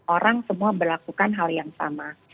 orang semua berlakukan hal yang sama